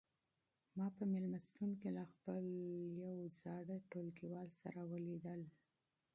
ما په مېلمستون کې له خپل یو زاړه ټولګیوال سره ولیدل.